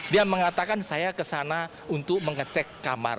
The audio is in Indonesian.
dia mengatakan saya ke sana untuk mengecek kamar